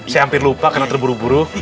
saya hampir lupa karena terburu buru